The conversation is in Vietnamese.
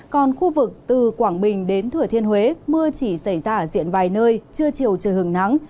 còn khu vực từ quảng bình đến thừa thiên huế mưa chỉ xảy ra ở diện vài nơi trưa chiều trời hứng nắng